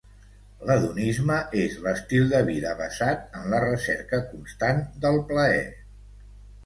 L'hedonisme és l'estil de vida basat en la recerca constant del plaer.